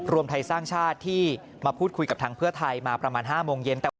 รวมไทยสร้างชาติที่มาพูดคุยกับทางเพื่อไทยมาประมาณ๕โมงเย็น